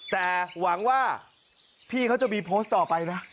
แต่หวังว่าพี่เขาจะมีโพสต์ต่อไปนะ